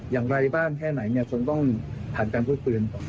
อย่างไรบ้างแค่ไหนควรต้องผ่านการพูดคืน